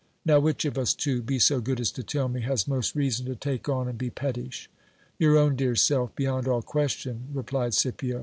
Now which of us two, be so good as to tell me, has most reason to take on and be pettish? Your own dear self, beyond all question, replied Scipio.